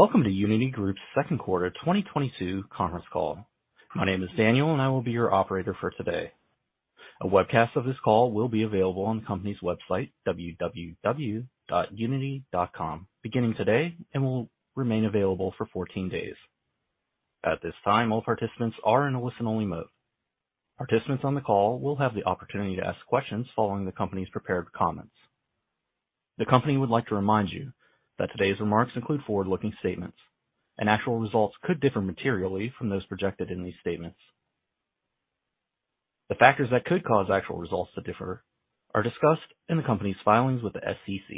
Welcome to Uniti Group's second quarter 2022 conference call. My name is Daniel, and I will be your operator for today. A webcast of this call will be available on the company's website, www.uniti.com, beginning today and will remain available for 14 days. At this time, all participants are in a listen-only mode. Participants on the call will have the opportunity to ask questions following the company's prepared comments. The company would like to remind you that today's remarks include forward-looking statements, and actual results could differ materially from those projected in these statements. The factors that could cause actual results to differ are discussed in the company's filings with the SEC.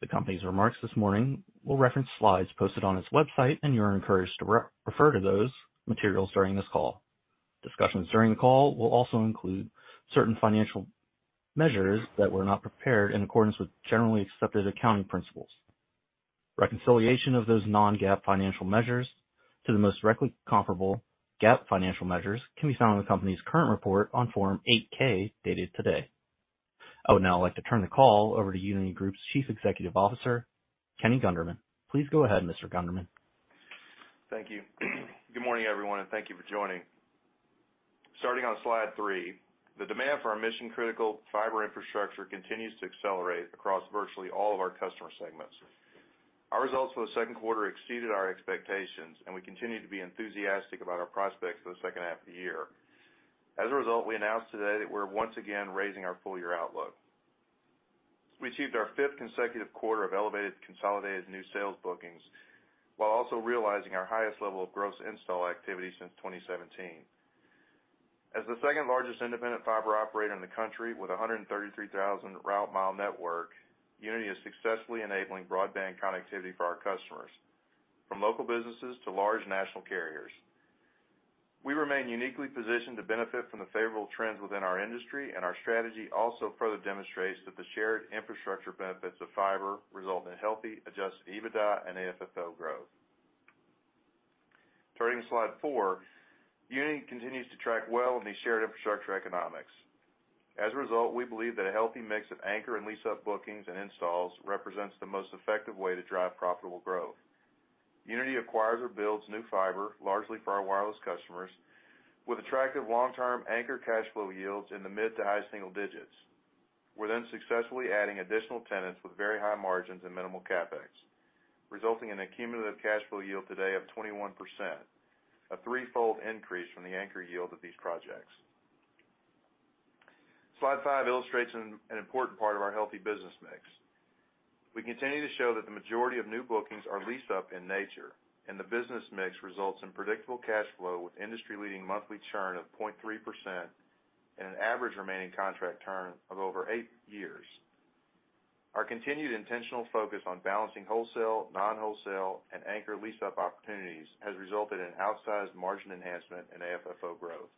The company's remarks this morning will reference slides posted on its website, and you are encouraged to refer to those materials during this call. Discussions during the call will also include certain financial measures that were not prepared in accordance with generally accepted accounting principles. Reconciliation of those non-GAAP financial measures to the most directly comparable GAAP financial measures can be found in the company's current report on Form 8-K dated today. I would now like to turn the call over to Uniti Group's Chief Executive Officer, Kenny Gunderman. Please go ahead, Mr. Gunderman. Thank you. Good morning, everyone, and thank you for joining. Starting on slide three, the demand for our mission-critical fiber infrastructure continues to accelerate across virtually all of our customer segments. Our results for the second quarter exceeded our expectations, and we continue to be enthusiastic about our prospects for the second half of the year. As a result, we announced today that we're once again raising our full-year outlook. We received our fifth consecutive quarter of elevated consolidated new sales bookings while also realizing our highest level of gross install activity since 2017. As the second-largest independent fiber operator in the country with a 133,000 route mile network, Uniti is successfully enabling broadband connectivity for our customers, from local businesses to large national carriers. We remain uniquely positioned to benefit from the favorable trends within our industry, and our strategy also further demonstrates that the shared infrastructure benefits of fiber result in healthy adjusted EBITDA and AFFO growth. Turning to slide four. Uniti continues to track well in the shared infrastructure economics. As a result, we believe that a healthy mix of anchor and lease-up bookings and installs represents the most effective way to drive profitable growth. Uniti acquires or builds new fiber largely for our wireless customers with attractive long-term anchor cash flow yields in the mid to high single digits. We're then successfully adding additional tenants with very high margins and minimal CapEx, resulting in a cumulative cash flow yield today of 21%, a threefold increase from the anchor yield of these projects. Slide five illustrates an important part of our healthy business mix. We continue to show that the majority of new bookings are leased-up in nature, and the business mix results in predictable cash flow with industry-leading monthly churn of 0.3% and an average remaining contract term of over eight years. Our continued intentional focus on balancing wholesale, non-wholesale, and anchor lease-up opportunities has resulted in outsized margin enhancement and AFFO growth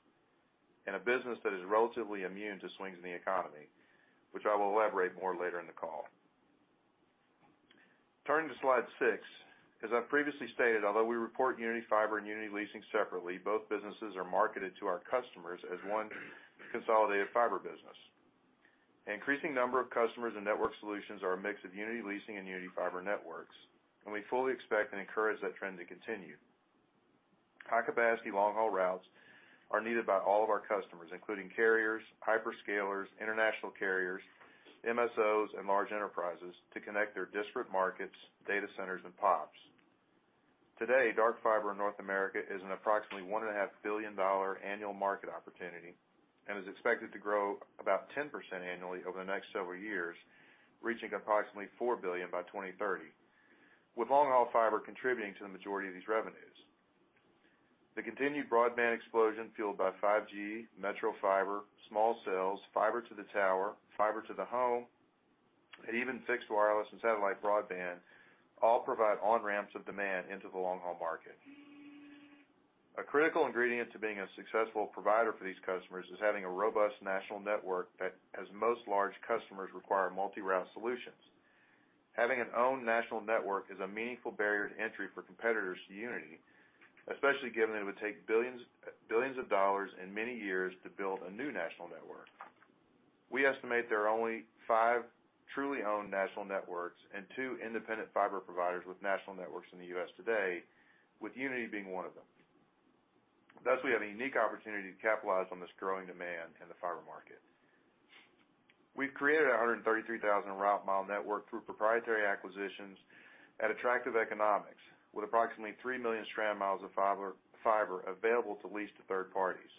in a business that is relatively immune to swings in the economy, which I will elaborate more later in the call. Turning to slide six. As I previously stated, although we report Uniti Fiber and Uniti Leasing separately, both businesses are marketed to our customers as one consolidated fiber business. An increasing number of customers and network solutions are a mix of Uniti Leasing and Uniti Fiber networks, and we fully expect and encourage that trend to continue. High-capacity long-haul routes are needed by all of our customers, including carriers, hyperscalers, international carriers, MSOs, and large enterprises to connect their disparate markets, data centers, and POPs. Today, dark fiber in North America is an approximately $1.5 billion annual market opportunity and is expected to grow about 10% annually over the next several years, reaching approximately $4 billion by 2030, with long-haul fiber contributing to the majority of these revenues. The continued broadband explosion fueled by 5G, metro fiber, small cells, fiber to the tower, fiber to the home, and even fixed wireless and satellite broadband all provide on-ramps of demand into the long-haul market. A critical ingredient to being a successful provider for these customers is having a robust national network that as most large customers require multi-route solutions. Having an owned national network is a meaningful barrier to entry for competitors to Uniti, especially given it would take billions of dollars and many years to build a new national network. We estimate there are only five truly owned national networks and two independent fiber providers with national networks in the U.S. today, with Uniti being one of them. Thus, we have a unique opportunity to capitalize on this growing demand in the fiber market. We've created a 133,000 route mile network through proprietary acquisitions at attractive economics with approximately $3 million strand miles of fiber available to lease to third parties.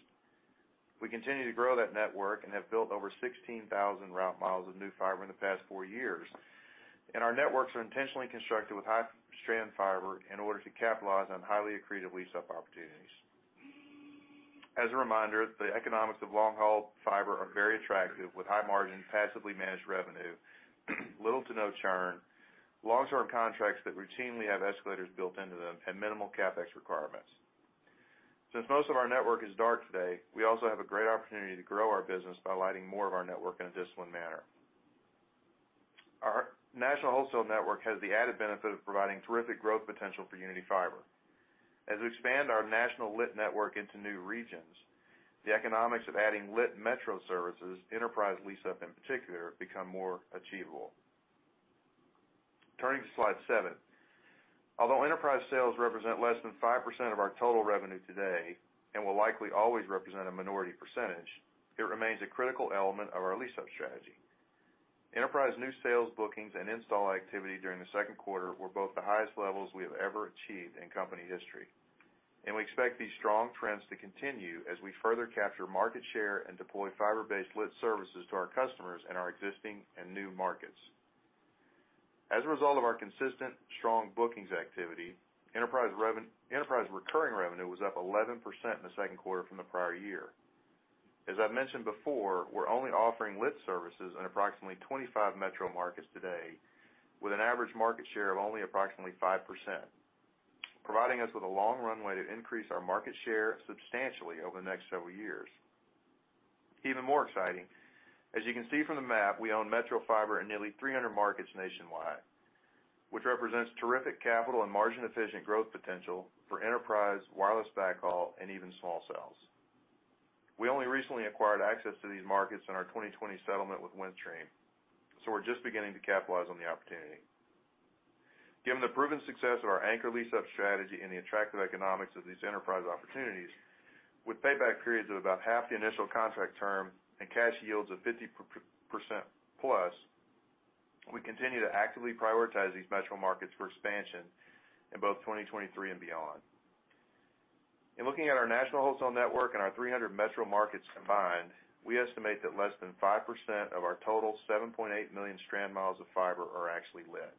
We continue to grow that network and have built over 16,000 route miles of new fiber in the past four years, and our networks are intentionally constructed with high-strand fiber in order to capitalize on highly accretive lease-up opportunities. As a reminder, the economics of long-haul fiber are very attractive with high margins, passively managed revenue, little to no churn, long-term contracts that routinely have escalators built into them, and minimal CapEx requirements. Since most of our network is dark today, we also have a great opportunity to grow our business by lighting more of our network in a disciplined manner. Our national wholesale network has the added benefit of providing terrific growth potential for Uniti Fiber. As we expand our national lit network into new regions, the economics of adding lit metro services, enterprise lease-up in particular, become more achievable. Turning to slide seven. Although enterprise sales represent less than 5% of our total revenue today and will likely always represent a minority percentage, it remains a critical element of our lease-up strategy. Enterprise new sales bookings and install activity during the second quarter were both the highest levels we have ever achieved in company history, and we expect these strong trends to continue as we further capture market share and deploy fiber-based lit services to our customers in our existing and new markets. As a result of our consistent strong bookings activity, enterprise recurring revenue was up 11% in the second quarter from the prior year. As I've mentioned before, we're only offering lit services in approximately 25 metro markets today, with an average market share of only approximately 5%, providing us with a long runway to increase our market share substantially over the next several years. Even more exciting, as you can see from the map, we own metro fiber in nearly 300 markets nationwide, which represents terrific capital and margin-efficient growth potential for enterprise, wireless backhaul, and even small cells. We only recently acquired access to these markets in our 2020 settlement with Windstream, so we're just beginning to capitalize on the opportunity. Given the proven success of our anchor lease-up strategy and the attractive economics of these enterprise opportunities, with payback periods of about half the initial contract term and cash yields of 50%+, we continue to actively prioritize these metro markets for expansion in both 2023 and beyond. In looking at our national wholesale network and our 300 metro markets combined, we estimate that less than 5% of our total 7.8 million strand miles of fiber are actually lit.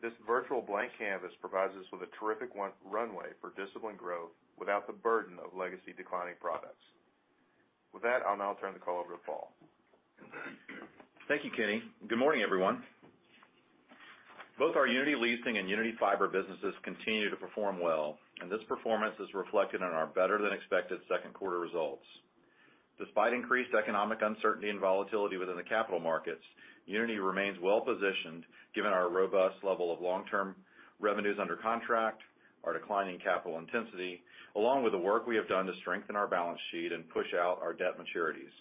This virtual blank canvas provides us with a terrific runway for disciplined growth without the burden of legacy declining products. With that, I'll now turn the call over to Paul. Thank you, Kenny. Good morning, everyone. Both our Uniti Leasing and Uniti Fiber businesses continue to perform well, and this performance is reflected in our better-than-expected second quarter results. Despite increased economic uncertainty and volatility within the capital markets, Uniti remains well positioned given our robust level of long-term revenues under contract, our declining capital intensity, along with the work we have done to strengthen our balance sheet and push out our debt maturities.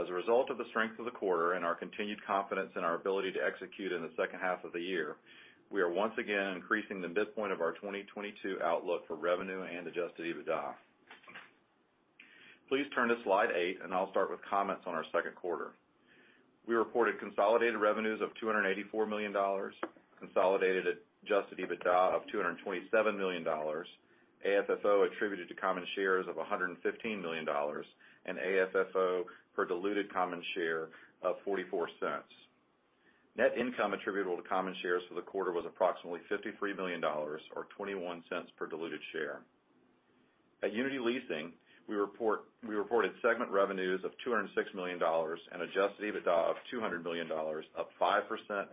As a result of the strength of the quarter and our continued confidence in our ability to execute in the second half of the year, we are once again increasing the midpoint of our 2022 outlook for revenue and adjusted EBITDA. Please turn to slide eight, and I'll start with comments on our second quarter. We reported consolidated revenues of $284 million, consolidated adjusted EBITDA of $227 million, AFFO attributed to common shares of $115 million, and AFFO per diluted common share of $0.44. Net income attributable to common shares for the quarter was approximately $53 million or $0.21 per diluted share. At Uniti Leasing, we reported segment revenues of $206 million and adjusted EBITDA of $200 million, up 5%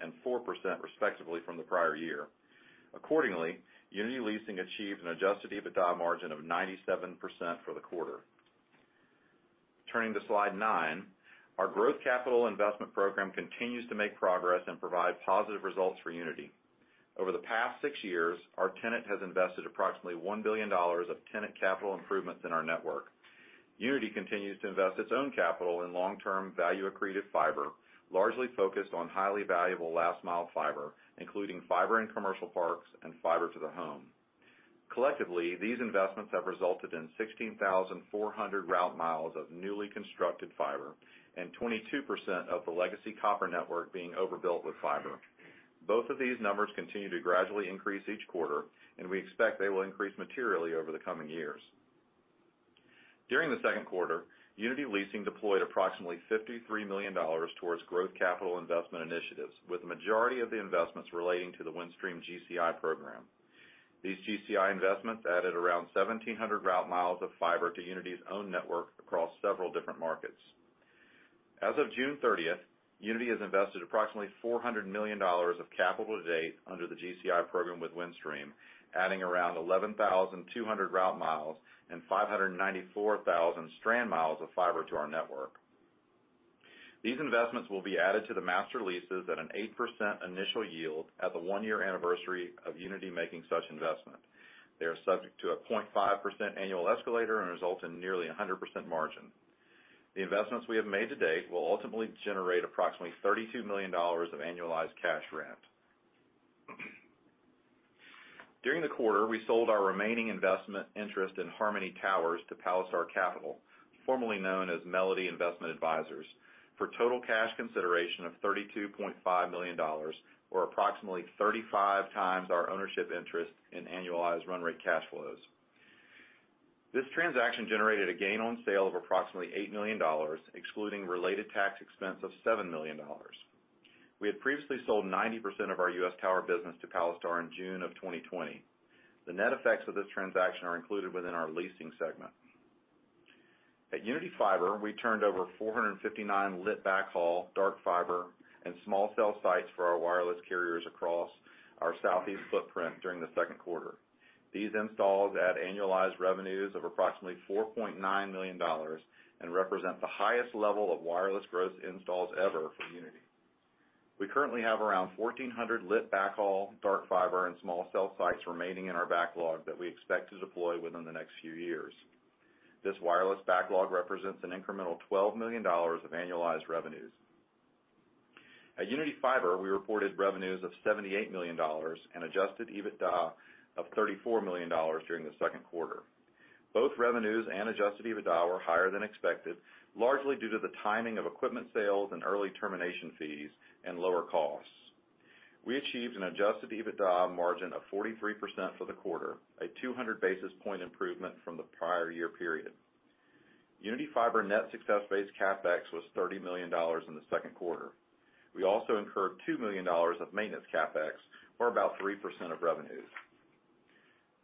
and 4% respectively from the prior year. Accordingly, Uniti Leasing achieved an adjusted EBITDA margin of 97% for the quarter. Turning to slide nine. Our growth capital investment program continues to make progress and provide positive results for Uniti. Over the past six years, our tenant has invested approximately $1 billion of tenant capital improvements in our network. Uniti continues to invest its own capital in long-term value-accretive fiber, largely focused on highly valuable last-mile fiber, including fiber in commercial parks and fiber to the home. Collectively, these investments have resulted in 16,400 route miles of newly constructed fiber and 22% of the legacy copper network being overbuilt with fiber. Both of these numbers continue to gradually increase each quarter, and we expect they will increase materially over the coming years. During the second quarter, Uniti Leasing deployed approximately $53 million towards growth capital investment initiatives, with the majority of the investments relating to the Windstream GCI program. These GCI investments added around 1,700 route miles of fiber to Uniti's own network across several different markets. As of June 30th, Uniti has invested approximately $400 million of capital to date under the GCI program with Windstream, adding around 11,200 route miles and 594,000 strand miles of fiber to our network. These investments will be added to the master leases at an 8% initial yield at the one-year anniversary of Uniti making such investment. They are subject to a 0.5% annual escalator and result in nearly 100% margin. The investments we have made to date will ultimately generate approximately $32 million of annualized cash rent. During the quarter, we sold our remaining investment interest in Harmoni Towers to Palistar Capital, formerly known as Melody Investment Advisors, for total cash consideration of $32.5 million, or approximately 35x our ownership interest in annualized run rate cash flows. This transaction generated a gain on sale of approximately $8 million, excluding related tax expense of $7 million. We had previously sold 90% of our U.S. Tower business to Palistar in June 2020. The net effects of this transaction are included within our leasing segment. At Uniti Fiber, we turned over 459 lit backhaul, dark fiber, and small cell sites for our wireless carriers across our Southeast footprint during the second quarter. These installs add annualized revenues of approximately $4.9 million and represent the highest level of wireless growth installs ever for Uniti. We currently have around 1,400 lit backhaul, dark fiber and small cell sites remaining in our backlog that we expect to deploy within the next few years. This wireless backlog represents an incremental $12 million of annualized revenues. At Uniti Fiber, we reported revenues of $78 million and adjusted EBITDA of $34 million during the second quarter. Both revenues and adjusted EBITDA were higher than expected, largely due to the timing of equipment sales and early termination fees and lower costs. We achieved an adjusted EBITDA margin of 43% for the quarter, a 200 basis point improvement from the prior year period. Uniti Fiber net success-based CapEx was $30 million in the second quarter. We also incurred $2 million of maintenance CapEx, or about 3% of revenues.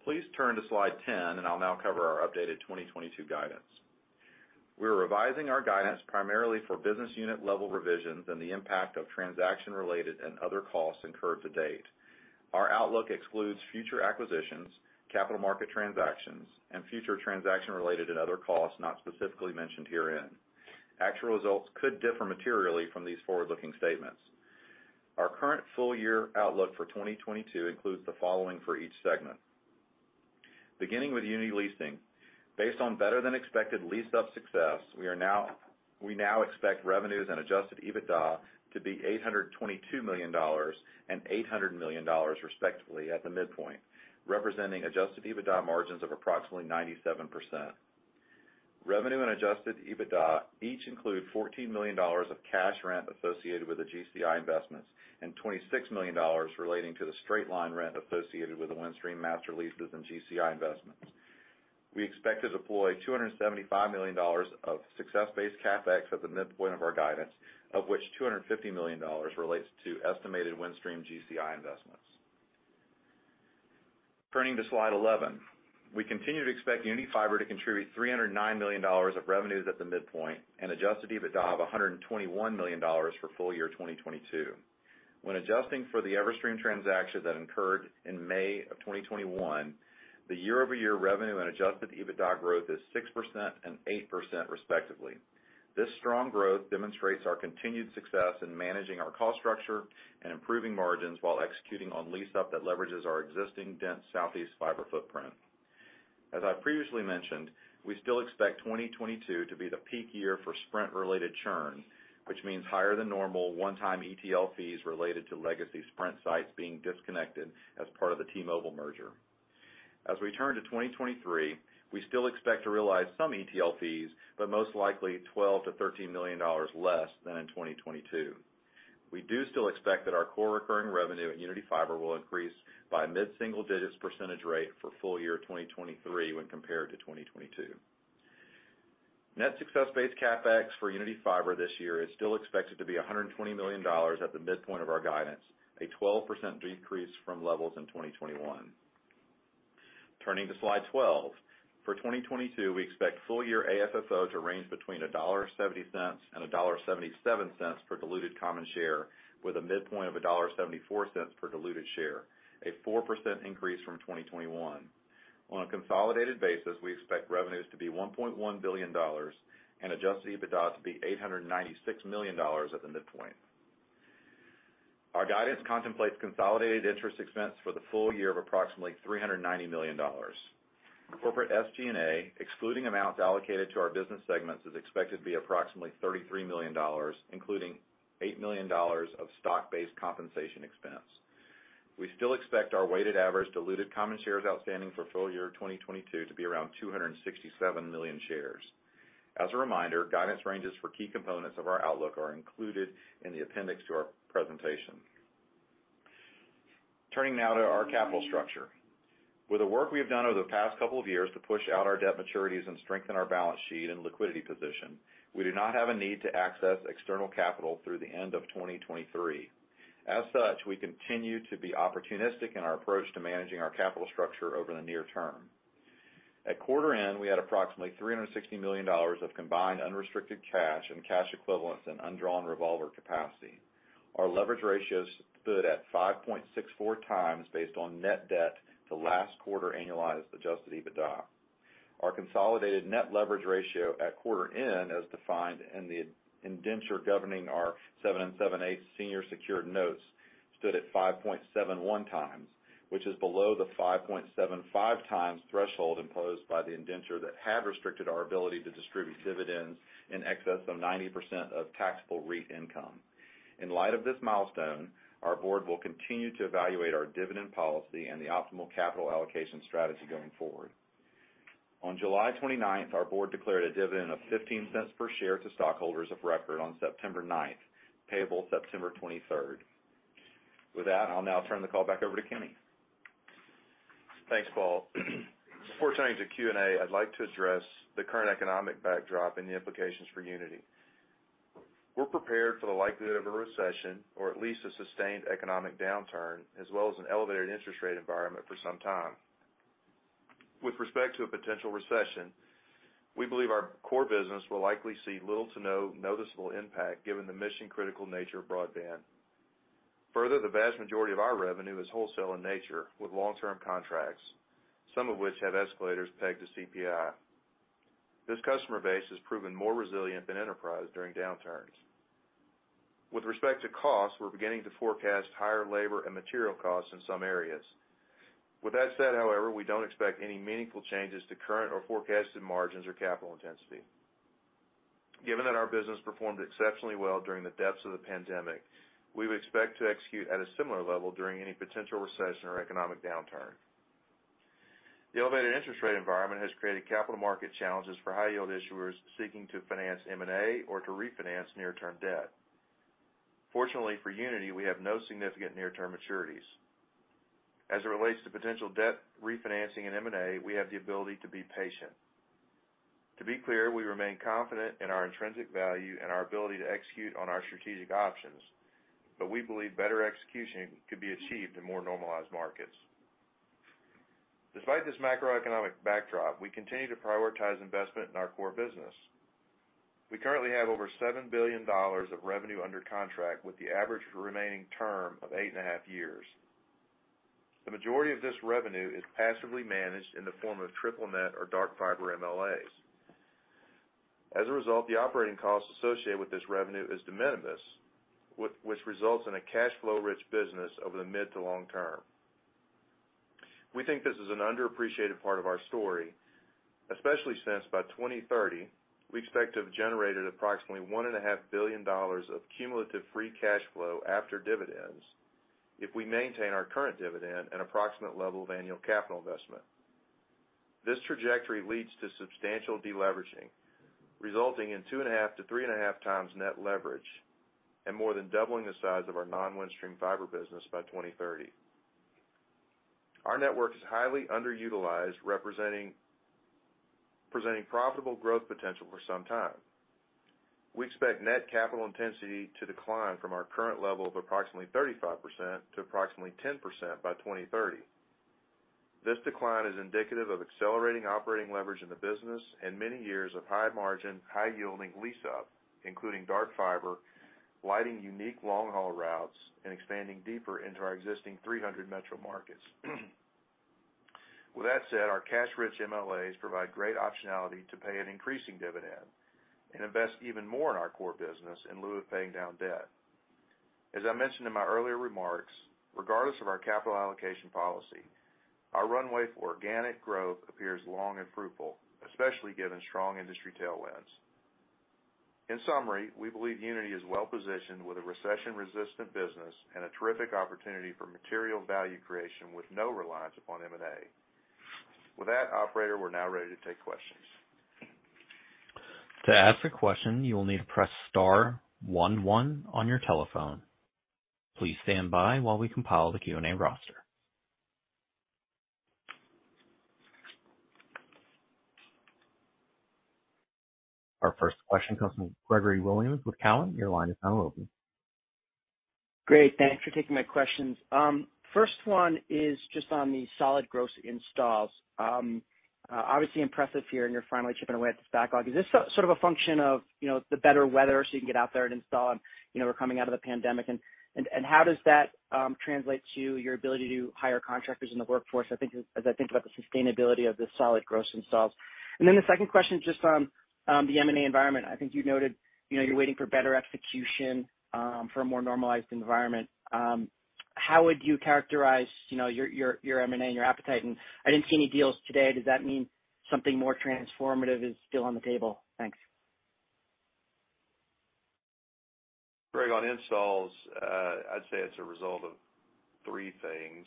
Please turn to slide 10, and I'll now cover our updated 2022 guidance. We're revising our guidance primarily for business unit level revisions and the impact of transaction-related and other costs incurred to date. Our outlook excludes future acquisitions, capital market transactions, and future transaction-related and other costs not specifically mentioned herein. Actual results could differ materially from these forward-looking statements. Our current full year outlook for 2022 includes the following for each segment. Beginning with Uniti Leasing, based on better than expected lease-up success, we now expect revenues and adjusted EBITDA to be $822 million and $800 million respectively at the midpoint, representing adjusted EBITDA margins of approximately 97%. Revenue and adjusted EBITDA each include $14 million of cash rent associated with the GCI investments and $26 million relating to the straight-line rent associated with the Windstream master leases and GCI investments. We expect to deploy $275 million of success-based CapEx at the midpoint of our guidance, of which $250 million relates to estimated Windstream GCI investments. Turning to slide 11. We continue to expect Uniti Fiber to contribute $309 million of revenues at the midpoint and adjusted EBITDA of $121 million for full year 2022. When adjusting for the Everstream transaction that incurred in May of 2021, the year-over-year revenue and adjusted EBITDA growth is 6% and 8% respectively. This strong growth demonstrates our continued success in managing our cost structure and improving margins while executing on lease-up that leverages our existing dense Southeast fiber footprint. As I previously mentioned, we still expect 2022 to be the peak year for Sprint-related churn, which means higher than normal one-time ETL fees related to legacy Sprint sites being disconnected as part of the T-Mobile merger. As we turn to 2023, we still expect to realize some ETL fees, but most likely $12 million-$13 million less than in 2022. We do still expect that our core recurring revenue at Uniti Fiber will increase by a mid-single digits percentage rate for full year 2023 when compared to 2022. Net success-based CapEx for Uniti Fiber this year is still expected to be $120 million at the midpoint of our guidance, a 12% decrease from levels in 2021. Turning to slide 12. For 2022, we expect full year AFFO to range between $1.70 and $1.77 per diluted common share, with a midpoint of $1.74 per diluted share, a 4% increase from 2021. On a consolidated basis, we expect revenues to be $1.1 billion and adjusted EBITDA to be $896 million at the midpoint. Our guidance contemplates consolidated interest expense for the full year of approximately $390 million. Corporate SG&A, excluding amounts allocated to our business segments, is expected to be approximately $33 million, including $8 million of stock-based compensation expense. We still expect our weighted average diluted common shares outstanding for full year 2022 to be around 267 million shares. As a reminder, guidance ranges for key components of our outlook are included in the appendix to our presentation. Turning now to our capital structure. With the work we have done over the past couple of years to push out our debt maturities and strengthen our balance sheet and liquidity position, we do not have a need to access external capital through the end of 2023. As such, we continue to be opportunistic in our approach to managing our capital structure over the near term. At quarter end, we had approximately $360 million of combined unrestricted cash and cash equivalents and undrawn revolver capacity. Our leverage ratios stood at 5.64x based on net debt to last quarter annualized adjusted EBITDA. Our consolidated net leverage ratio at quarter end, as defined in the indenture governing our 7.875% senior secured notes, stood at 5.71x, which is below the 5.75x threshold imposed by the indenture that had restricted our ability to distribute dividends in excess of 90% of taxable REIT income. In light of this milestone, our board will continue to evaluate our dividend policy and the optimal capital allocation strategy going forward. On July 29th, our board declared a dividend of $0.15 per share to stockholders of record on September 9th, payable September 23rd. With that, I'll now turn the call back over to Kenny. Thanks, Paul. Before turning to Q&A, I'd like to address the current economic backdrop and the implications for Uniti. We're prepared for the likelihood of a recession or at least a sustained economic downturn, as well as an elevated interest rate environment for some time. With respect to a potential recession, we believe our core business will likely see little to no noticeable impact given the mission-critical nature of broadband. Further, the vast majority of our revenue is wholesale in nature with long-term contracts, some of which have escalators pegged to CPI. This customer base has proven more resilient than enterprise during downturns. With respect to costs, we're beginning to forecast higher labor and material costs in some areas. With that said, however, we don't expect any meaningful changes to current or forecasted margins or capital intensity. Given that our business performed exceptionally well during the depths of the pandemic, we would expect to execute at a similar level during any potential recession or economic downturn. The elevated interest rate environment has created capital market challenges for high-yield issuers seeking to finance M&A or to refinance near-term debt. Fortunately for Uniti, we have no significant near-term maturities. As it relates to potential debt refinancing in M&A, we have the ability to be patient. To be clear, we remain confident in our intrinsic value and our ability to execute on our strategic options, but we believe better execution could be achieved in more normalized markets. Despite this macroeconomic backdrop, we continue to prioritize investment in our core business. We currently have over $7 billion of revenue under contract with the average remaining term of 8.5 years. The majority of this revenue is passively managed in the form of triple net or dark fiber MLAs. As a result, the operating costs associated with this revenue is de minimis, which results in a cash flow-rich business over the mid to long term. We think this is an underappreciated part of our story, especially since by 2030, we expect to have generated approximately $1.5 billion of cumulative free cash flow after dividends if we maintain our current dividend and approximate level of annual capital investment. This trajectory leads to substantial deleveraging, resulting in 2.5-3.5x net leverage and more than doubling the size of our non-Windstream fiber business by 2030. Our network is highly underutilized, presenting profitable growth potential for some time. We expect net capital intensity to decline from our current level of approximately 35% to approximately 10% by 2030. This decline is indicative of accelerating operating leverage in the business and many years of high margin, high yielding lease up, including dark fiber, lighting unique long-haul routes, and expanding deeper into our existing 300 metro markets. With that said, our cash-rich MLAs provide great optionality to pay an increasing dividend and invest even more in our core business in lieu of paying down debt. As I mentioned in my earlier remarks, regardless of our capital allocation policy, our runway for organic growth appears long and fruitful, especially given strong industry tailwinds. In summary, we believe Uniti is well positioned with a recession-resistant business and a terrific opportunity for material value creation with no reliance upon M&A. With that, operator, we're now ready to take questions. To ask a question, you will need to press star one one on your telephone. Please stand by while we compile the Q&A roster. Our first question comes from Gregory Williams with Cowen. Your line is now open. Great. Thanks for taking my questions. First one is just on the solid gross installs. Obviously impressive here, and you're finally chipping away at this backlog. Is this sort of a function of, you know, the better weather, so you can get out there and install and, you know, we're coming out of the pandemic? And how does that translate to your ability to hire contractors in the workforce, I think as I think about the sustainability of the solid gross installs. And then the second question is just on the M&A environment. I think you noted, you know, you're waiting for better execution for a more normalized environment. How would you characterize, you know, your M&A and your appetite? And I didn't see any deals today. Does that mean something more transformative is still on the table? Thanks. Greg, on installs, I'd say it's a result of three things.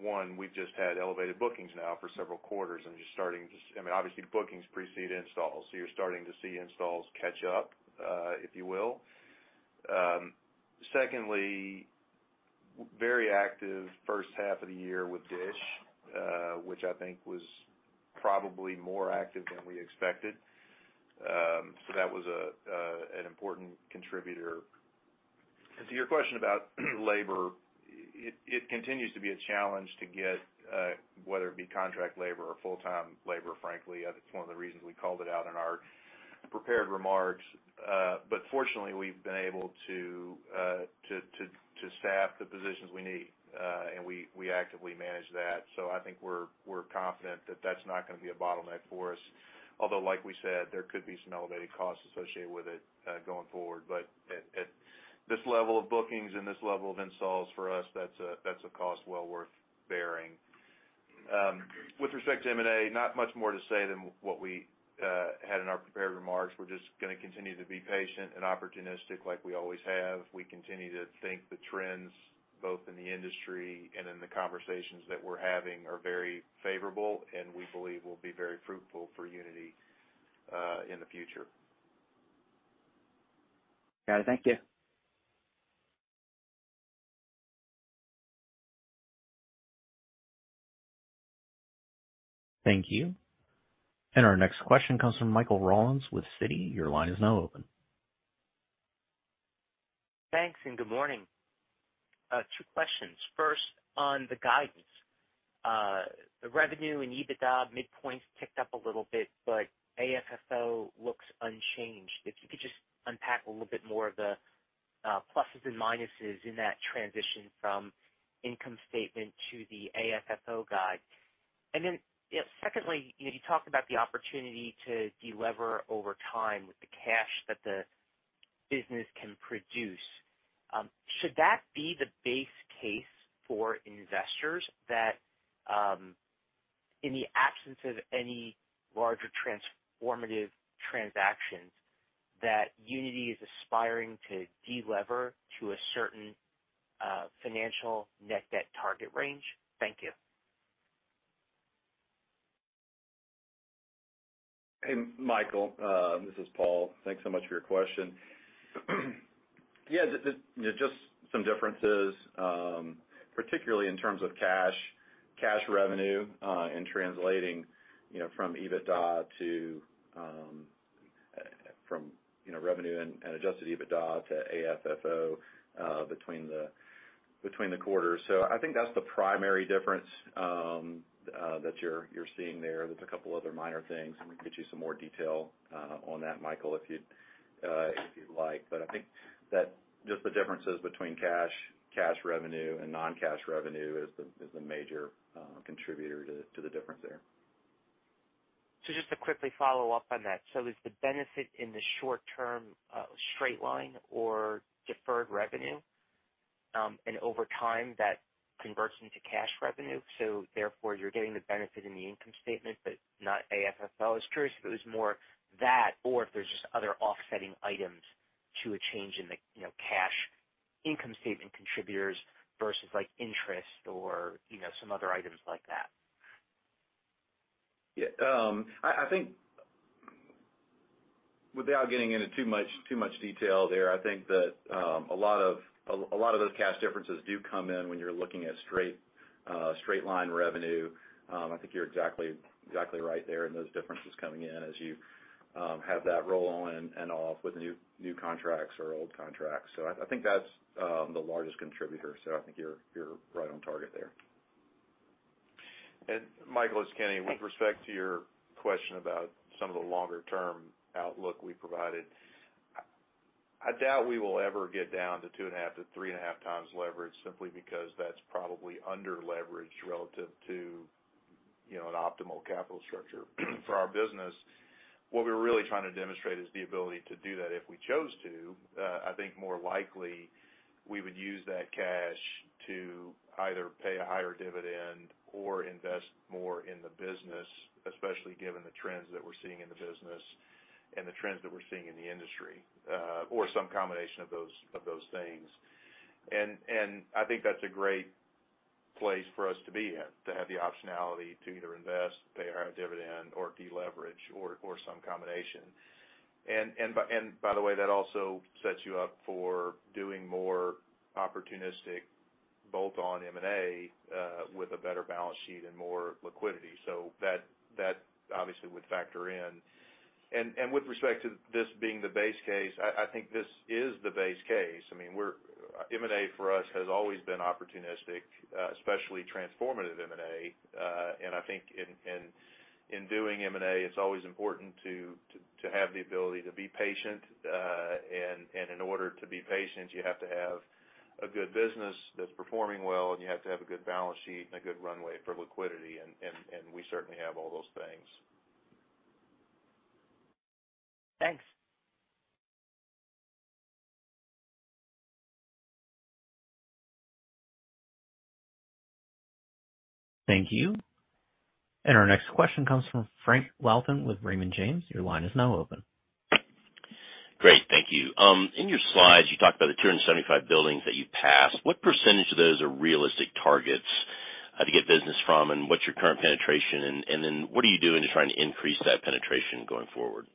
One, we've just had elevated bookings now for several quarters. I mean, obviously, bookings precede installs, so you're starting to see installs catch up, if you will. Secondly, very active first half of the year with DISH, which I think was probably more active than we expected. That was an important contributor. To your question about labor, it continues to be a challenge to get, whether it be contract labor or full-time labor, frankly. I think it's one of the reasons we called it out in our prepared remarks. Fortunately, we've been able to staff the positions we need, and we actively manage that. I think we're confident that that's not gonna be a bottleneck for us, although like we said, there could be some elevated costs associated with it, going forward. At this level of bookings and this level of installs for us, that's a cost well worth bearing. With respect to M&A, not much more to say than what we had in our prepared remarks. We're just gonna continue to be patient and opportunistic like we always have. We continue to think the trends, both in the industry and in the conversations that we're having, are very favorable, and we believe will be very fruitful for Uniti in the future. Got it. Thank you. Thank you. Our next question comes from Michael Rollins with Citi. Your line is now open. Thanks, good morning. Two questions. First, on the guidance. The revenue and EBITDA midpoints ticked up a little bit, but AFFO looks unchanged. If you could just unpack a little bit more of the pluses and minuses in that transition from income statement to the AFFO guide. Then, yeah, secondly, you know, you talked about the opportunity to delever over time with the cash that the business can produce. Should that be the base case for investors that, in the absence of any larger transformative transactions, that Uniti is aspiring to delever to a certain, financial net debt target range? Thank you. Hey, Michael, this is Paul. Thanks so much for your question. Yeah, you know, just some differences, particularly in terms of cash revenue, and translating, you know, from revenue and adjusted EBITDA to AFFO, between the quarters. I think that's the primary difference that you're seeing there. There's a couple other minor things, and we can get you some more detail on that, Michael, if you'd like. I think that just the differences between cash revenue and non-cash revenue is the major contributor to the difference there. Just to quickly follow up on that: Is the benefit in the short term, straight line or deferred revenue, and over time that converts into cash revenue, so therefore you're getting the benefit in the income statement, but not AFFO? I was curious if it was more that, or if there's just other offsetting items to a change in the, you know, cash income statement contributors versus like interest or, you know, some other items like that. Yeah, I think without getting into too much detail there, I think that a lot of those cash differences do come in when you're looking at straight line revenue. I think you're exactly right there in those differences coming in as you have that roll on and off with new contracts or old contracts. I think that's the largest contributor. I think you're right on target there. Michael, it's Kenny. With respect to your question about some of the longer term outlook we provided, I doubt we will ever get down to 2.5x-3.5x leverage simply because that's probably under leveraged relative to, you know, an optimal capital structure for our business. What we're really trying to demonstrate is the ability to do that if we chose to. I think more likely we would use that cash to either pay a higher dividend or invest more in the business, especially given the trends that we're seeing in the business and the trends that we're seeing in the industry, or some combination of those things. I think that's a great place for us to be in, to have the optionality to either invest, pay a higher dividend or deleverage or some combination. By the way, that also sets you up for doing more opportunistic, both on M&A, with a better balance sheet and more liquidity. That obviously would factor in. With respect to this being the base case, I think this is the base case. I mean, M&A for us has always been opportunistic, especially transformative M&A. I think in doing M&A, it's always important to have the ability to be patient. In order to be patient, you have to have a good business that's performing well, and you have to have a good balance sheet and a good runway for liquidity. We certainly have all those things. Thanks. Thank you. Our next question comes from Frank Louthan with Raymond James. Your line is now open. Great. Thank you. In your slides, you talked about the 275 buildings that you passed. What percentage of those are realistic targets to get business from, and what's your current penetration, and then what are you doing to try and increase that penetration going forward?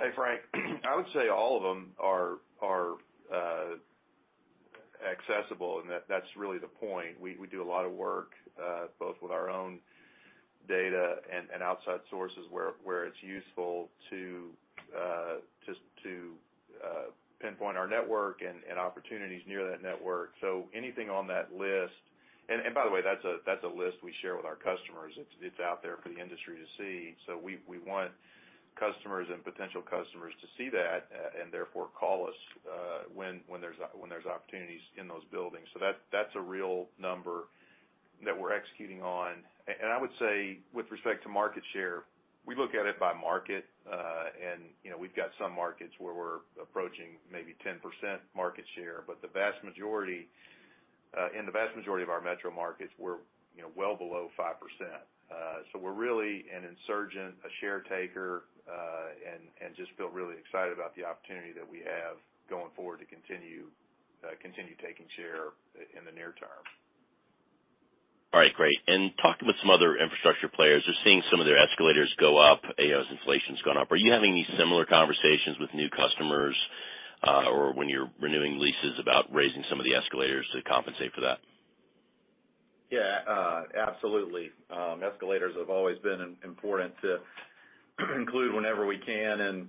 Hey, Frank. I would say all of them are accessible, and that's really the point. We do a lot of work both with our own data and outside sources where it's useful to just pinpoint our network and opportunities near that network. Anything on that list. By the way, that's a list we share with our customers. It's out there for the industry to see. We want customers and potential customers to see that and therefore call us when there's opportunities in those buildings. That's a real number that we're executing on. I would say, with respect to market share, we look at it by market. You know, we've got some markets where we're approaching maybe 10% market share, but the vast majority, in the vast majority of our metro markets, we're, you know, well below 5%. We're really an insurgent, a share taker, and just feel really excited about the opportunity that we have going forward to continue taking share in the near term. All right, great. Talking with some other infrastructure players, they're seeing some of their escalators go up as inflation's gone up. Are you having any similar conversations with new customers, or when you're renewing leases about raising some of the escalators to compensate for that? Yeah, absolutely. Escalators have always been important to include whenever we can,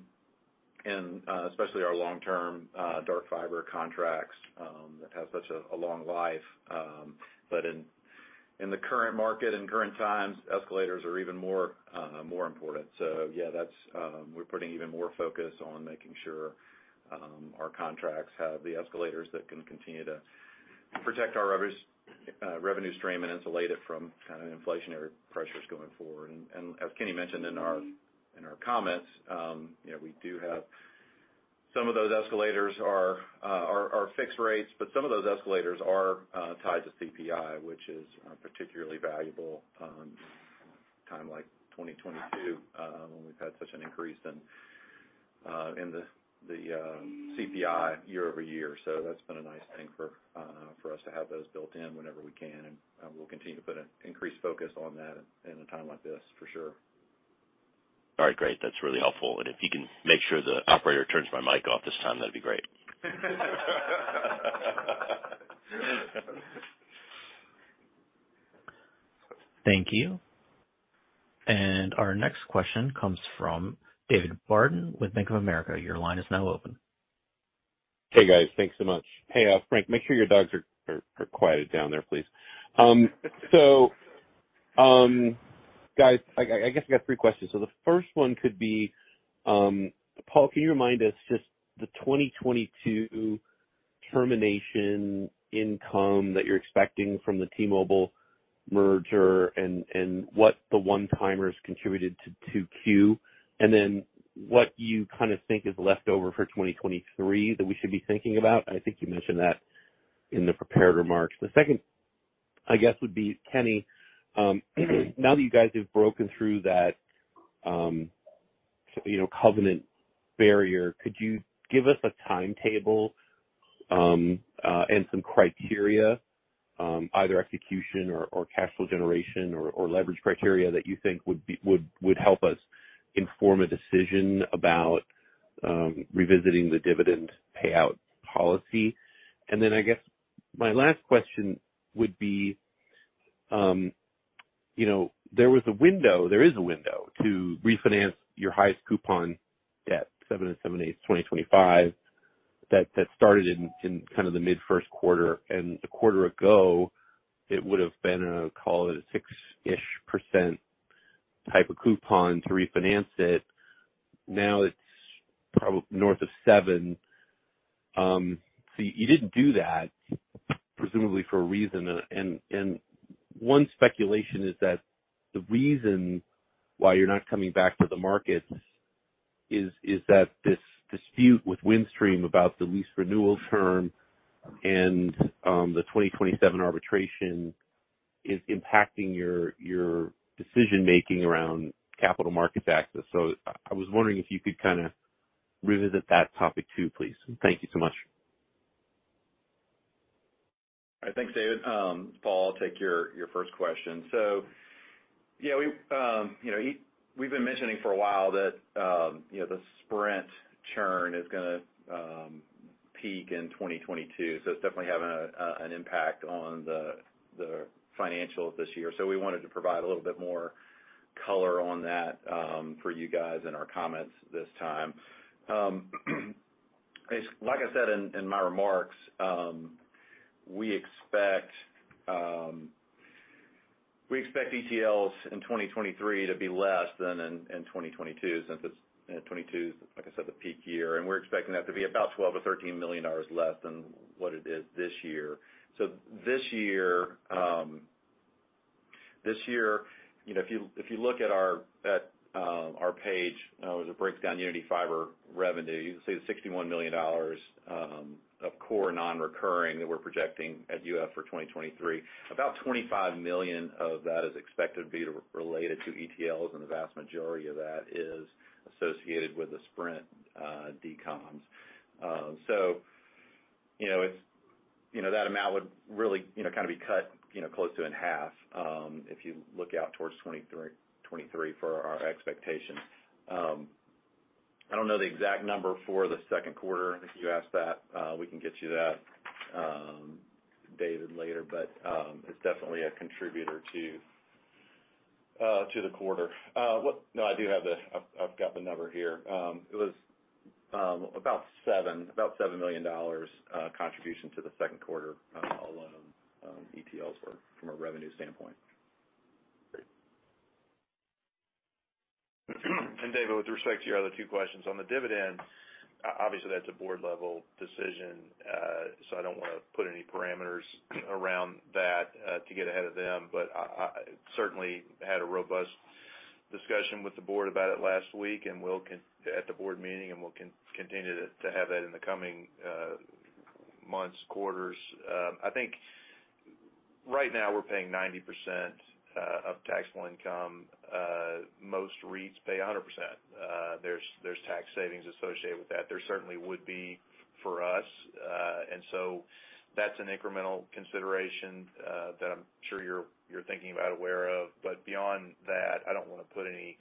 and especially our long-term dark fiber contracts that have such a long life. In In the current market and current times, escalators are even more important. Yeah, that's, we're putting even more focus on making sure, our contracts have the escalators that can continue to protect our revenue stream and insulate it from kind of inflationary pressures going forward. As Kenny mentioned in our, in our comments, you know, we do have some of those escalators are fixed rates, but some of those escalators are tied to CPI, which is particularly valuable, in a time like 2022, when we've had such an increase in the, CPI year over year. That's been a nice thing for us to have those built in whenever we can, and we'll continue to put an increased focus on that in a time like this, for sure. All right, great. That's really helpful. If you can make sure the operator turns my mic off this time, that'd be great. Thank you. Our next question comes from David Barden with Bank of America. Your line is now open. Hey, guys. Thanks so much. Hey, Frank, make sure your dogs are quieted down there, please. Guys, I guess I got three questions. The first one could be, Paul, can you remind us just the 2022 termination income that you're expecting from the T-Mobile merger and what the one-timers contributed to 2Q? And then what you kind of think is left over for 2023 that we should be thinking about? I think you mentioned that in the prepared remarks. The second, I guess, would be Kenny, now that you guys have broken through that, you know, covenant barrier, could you give us a timetable and some criteria, either execution or cash flow generation or leverage criteria that you think would help us inform a decision about revisiting the dividend payout policy? I guess my last question would be, you know, there was a window, there is a window to refinance your highest coupon debt, 7/8s 2025, that started in kind of the mid first quarter. A quarter ago, it would have been, call it a 6%-ish type of coupon to refinance it. Now it's probably north of seven. So you didn't do that, presumably for a reason. One speculation is that the reason why you're not coming back to the market is that this dispute with Windstream about the lease renewal term and the 2027 arbitration is impacting your decision-making around capital markets access. I was wondering if you could kind of revisit that topic too, please. Thank you so much. All right. Thanks, David. Paul, I'll take your first question. Yeah, we've been mentioning for a while that you know, the Sprint churn is gonna peak in 2022, so it's definitely having an impact on the financials this year. We wanted to provide a little bit more color on that for you guys in our comments this time. Like I said in my remarks, we expect ETLs in 2023 to be less than in 2022, since it's you know, 2022, like I said, the peak year, and we're expecting that to be about $12 million or $13 million less than what it is this year. This year, you know, if you look at our page, you know, as it breaks down Uniti Fiber revenue, you can see the $61 million of core non-recurring that we're projecting at UF for 2023. About $25 million of that is expected to be related to ETLs, and the vast majority of that is associated with the Sprint decoms. You know, that amount would really kind of be cut close to in half if you look out towards 2023 for our expectations. I don't know the exact number for the second quarter. If you ask that, we can get you that, David, later. It's definitely a contributor to the quarter. No, I do have it. I've got the number here. It was about $7 million contribution to the second quarter alone. ETLs were from a revenue standpoint. Great. David, with respect to your other two questions, on the dividend, obviously that's a board-level decision, so I don't wanna put any parameters around that, to get ahead of them. I certainly had a robust discussion with the board about it last week, and we'll continue at the board meeting, and we'll continue to have that in the coming months, quarters. I think right now we're paying 90% of taxable income. Most REITs pay 100%. There's tax savings associated with that. There certainly would be for us. And so that's an incremental consideration that I'm sure you're thinking about, aware of. Beyond that, I don't wanna put any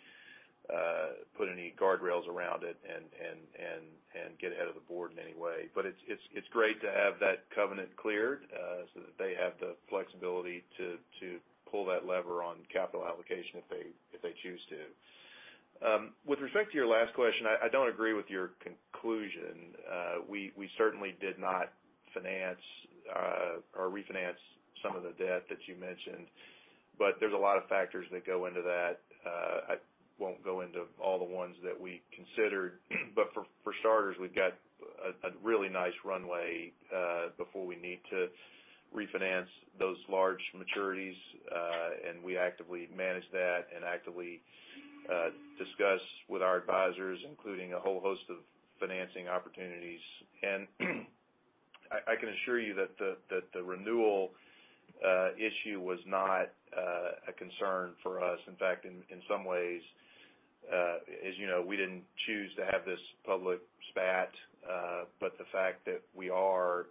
guardrails around it and get ahead of the board in any way. It's great to have that covenant cleared, so that they have the flexibility to pull that lever on capital allocation if they choose to. With respect to your last question, I don't agree with your conclusion. We certainly did not finance or refinance some of the debt that you mentioned, but there's a lot of factors that go into that. I won't go into all the ones that we considered. For starters, we've got a really nice runway before we need to refinance those large maturities, and we actively manage that and actively discuss with our advisors, including a whole host of financing opportunities. I can assure you that the renewal issue was not a concern for us. In fact, in some ways, as you know, we didn't choose to have this public spat, but the fact that we are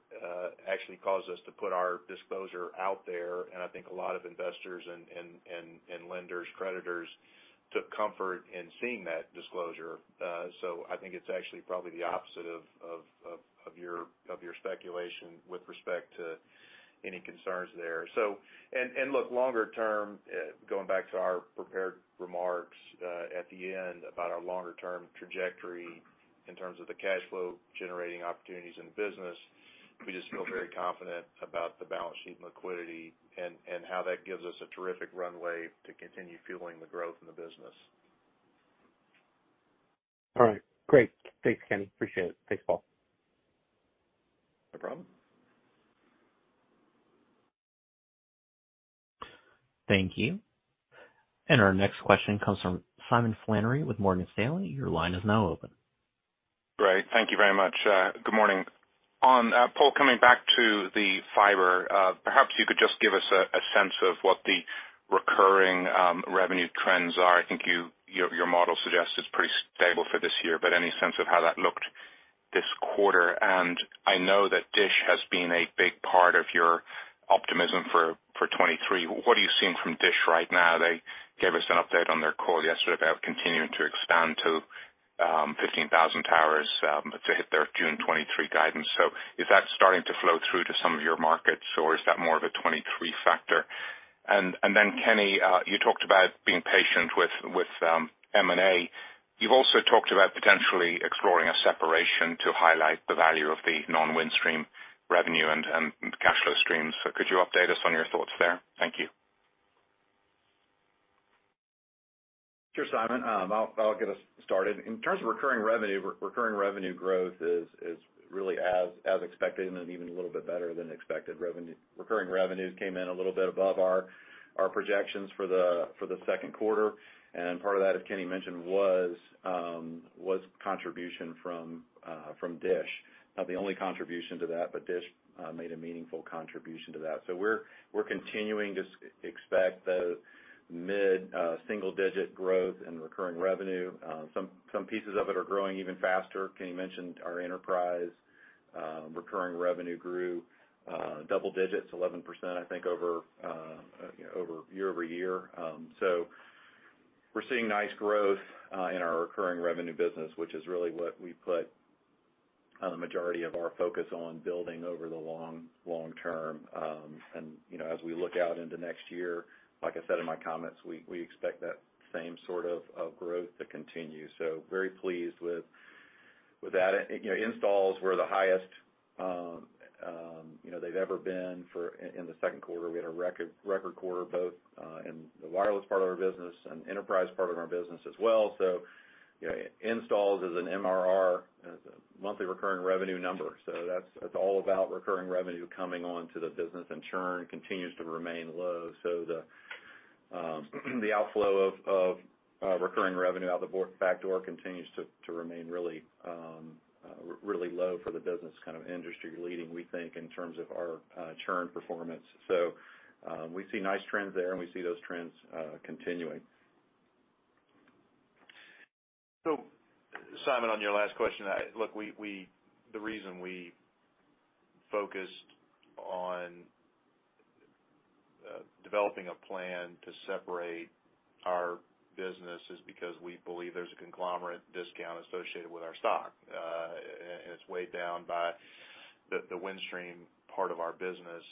actually caused us to put our disclosure out there, and I think a lot of investors and lenders, creditors took comfort in seeing that disclosure. I think it's actually probably the opposite of your speculation with respect to any concerns there. Look, longer term, going back to our prepared remarks, at the end about our longer term trajectory in terms of the cash flow generating opportunities in the business, we just feel very confident about the balance sheet liquidity and how that gives us a terrific runway to continue fueling the growth in the business. All right. Great. Thanks, Kenny. Appreciate it. Thanks, Paul. No problem. Thank you. Our next question comes from Simon Flannery with Morgan Stanley. Your line is now open. Great. Thank you very much. Good morning. Paul, coming back to the fiber, perhaps you could just give us a sense of what the recurring revenue trends are. I think your model suggests it's pretty stable for this year, but any sense of how that looked this quarter? I know that DISH has been a big part of your optimism for 2023. What are you seeing from DISH right now? They gave us an update on their call yesterday about continuing to expand to 15,000 towers to hit their June 2023 guidance. Is that starting to flow through to some of your markets, or is that more of a 2023 factor? And then Kenny, you talked about being patient with M&A. You've also talked about potentially exploring a separation to highlight the value of the non-Windstream revenue and cash flow streams. Could you update us on your thoughts there? Thank you. Sure, Simon. I'll get us started. In terms of recurring revenue, recurring revenue growth is really as expected and even a little bit better than expected. Recurring revenues came in a little bit above our projections for the second quarter, and part of that, as Kenny mentioned, was contribution from DISH. Not the only contribution to that, but DISH made a meaningful contribution to that. We're continuing to expect the mid single digit growth in recurring revenue. Some pieces of it are growing even faster. Kenny mentioned our enterprise recurring revenue grew double digits, 11%, I think, over you know over year-over-year. We're seeing nice growth in our recurring revenue business, which is really what we put the majority of our focus on building over the long term. You know, as we look out into next year, like I said in my comments, we expect that same sort of growth to continue. Very pleased with that. You know, installs were the highest you know, they've ever been in the second quarter. We had a record quarter both in the wireless part of our business and enterprise part of our business as well. You know, installs is an MRR monthly recurring revenue number. It's all about recurring revenue coming on to the business, and churn continues to remain low. The outflow of recurring revenue out the back door continues to remain really low for the business, kind of industry leading, we think, in terms of our churn performance. We see nice trends there, and we see those trends continuing. Simon, on your last question, look, the reason we focused on developing a plan to separate our business is because we believe there's a conglomerate discount associated with our stock, and it's weighed down by the Windstream part of our business.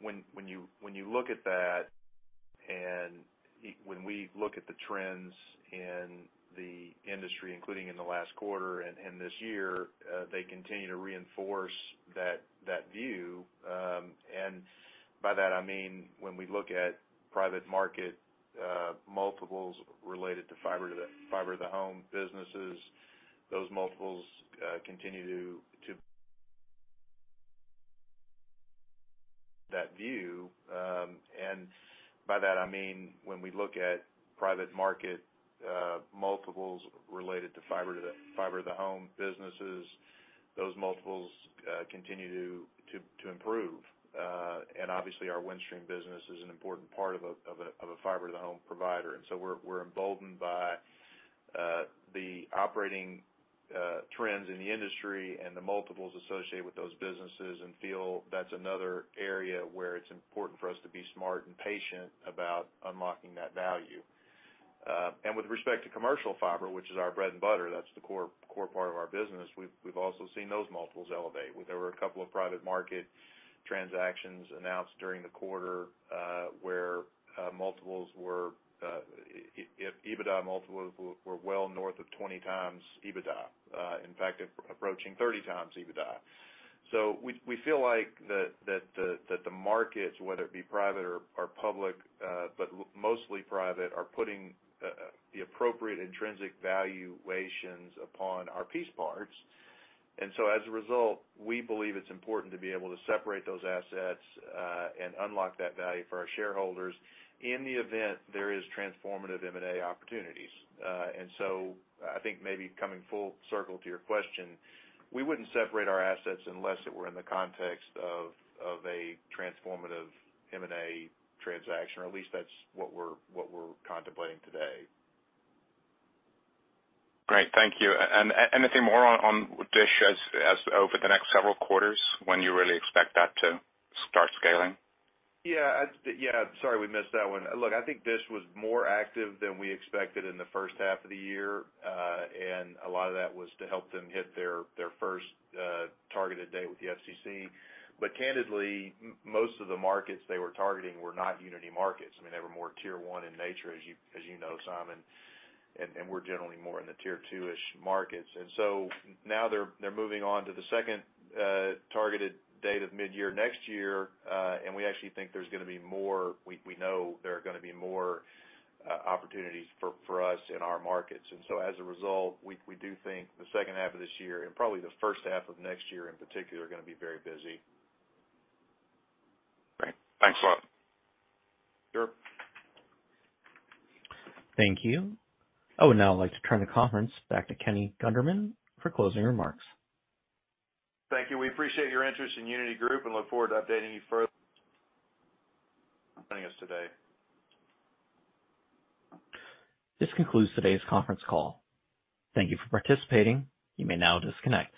When you look at that, when we look at the trends in the industry, including in the last quarter and this year, they continue to reinforce that view, and by that I mean when we look at private market multiples related to fiber to the home businesses, those multiples continue to improve. Obviously our Windstream business is an important part of a fiber-to-the-home provider. We're emboldened by the operating trends in the industry and the multiples associated with those businesses and feel that's another area where it's important for us to be smart and patient about unlocking that value. With respect to commercial fiber, which is our bread and butter, that's the core part of our business, we've also seen those multiples elevate. There were a couple of private market transactions announced during the quarter, where EBITDA multiples were well north of 20x EBITDA, in fact, approaching 30x EBITDA. We feel like the markets, whether it be private or public, but mostly private, are putting the appropriate intrinsic valuations upon our piece parts. As a result, we believe it's important to be able to separate those assets and unlock that value for our shareholders in the event there is transformative M&A opportunities. I think maybe coming full circle to your question, we wouldn't separate our assets unless it were in the context of a transformative M&A transaction, or at least that's what we're contemplating today. Great. Thank you. Anything more on DISH as over the next several quarters when you really expect that to start scaling? Yeah, sorry, we missed that one. Look, I think DISH was more active than we expected in the first half of the year. A lot of that was to help them hit their first targeted date with the FCC. Candidly, most of the markets they were targeting were not Uniti markets. I mean, they were more Tier 1 in nature, as you know, Simon, and we're generally more in the Tier 2-ish markets. Now they're moving on to the second targeted date of mid-year next year, and we know there are gonna be more opportunities for us in our markets. As a result, we do think the second half of this year and probably the first half of next year, in particular, are gonna be very busy. Great. Thanks a lot. Sure. Thank you. I would now like to turn the conference back to Kenny Gunderman for closing remarks. Thank you. We appreciate your interest in Uniti Group and look forward to updating you further. Joining us today. This concludes today's conference call. Thank you for participating. You may now disconnect.